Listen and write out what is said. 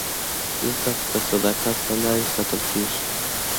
عزت د صداقت له لارې ساتل کېږي.